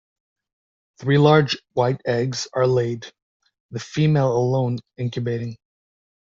Three large white eggs are laid, the female alone incubating.